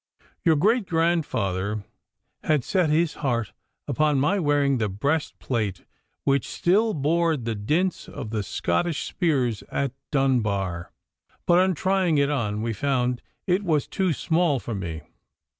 Your great grandfather had set his heart upon my wearing the breastplate which still bore the dints of the Scottish spears at Dunbar, but on trying it on we found it was too small for me.